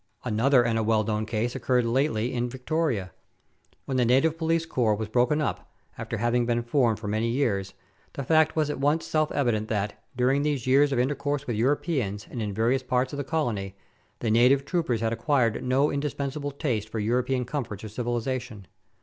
Another and a well known case occurred lately in Victoria. When the native police corps was broken up, after having been formed for many years, the fact was at once self evident that, during these years of intercourse with Europeans and in various parts of the colony, the native troopers had acquired no indis pensable taste for European comforts or civilization.